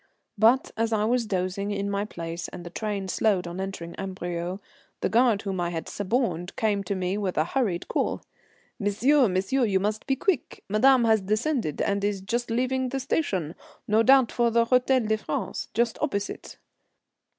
But as I was dozing in my place and the train slowed on entering Amberieu, the guard whom I had suborned came to me with a hurried call. "Monsieur, monsieur, you must be quick. Madame has descended and is just leaving the station. No doubt for the Hôtel de France, just opposite."